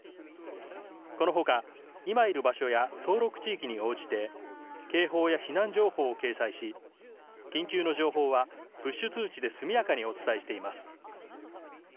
このほか、今いる場所や登録地域に応じて警報や避難情報を掲載し緊急の情報はプッシュ通知で速やかにお伝えしています。